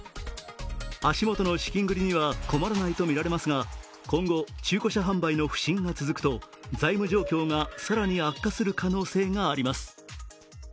足元の資金繰りには困らないとみられますが今後、中古車販売の不振が続くと財務状況が更に悪化する可能性があります。